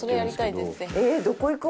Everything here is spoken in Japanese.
どこ行く？